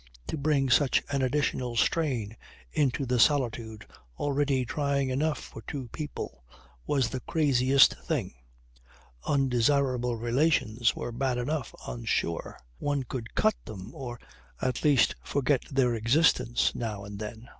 To bring such an additional strain into the solitude already trying enough for two people was the craziest thing. Undesirable relations were bad enough on shore. One could cut them or at least forget their existence now and then.